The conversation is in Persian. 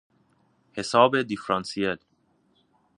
حساب دیفرانسیل